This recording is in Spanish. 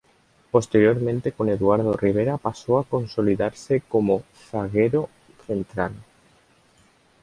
Posteriormente con Eduardo Rivera pasó a consolidarse como zaguero central.